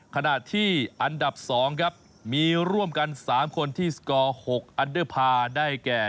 ขณะที่อันดับ๒ครับมีร่วมกัน๓คนที่สกอร์๖อันเดอร์พาร์ได้แก่